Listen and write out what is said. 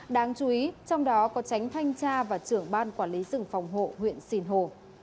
đáng chú ý trong đó có tránh thanh tra và trưởng ban quản lý rừng phòng hộ huyện sìn hồ